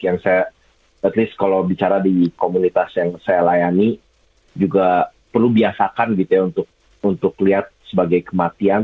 yang saya at least kalau bicara di komunitas yang saya layani juga perlu biasakan gitu ya untuk lihat sebagai kematian